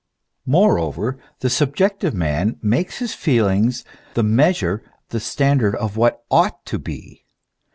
Moreover, the subjec tive man makes his feelings the measure, the standard of what ought to be.